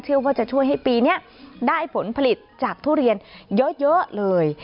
เชื่อว่าจะช่วยให้ปีนี้ได้ผลผลิตจากทุเรียนเยอะเลย